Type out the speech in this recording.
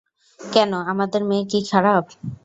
কেন, আমাদের মেয়ে কি খারাপ?